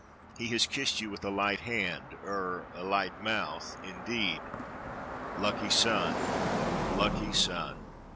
He has kissed you with a light hand — er — a light mouth, indeed. Lucky sun, lucky sun